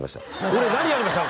俺何やりました！？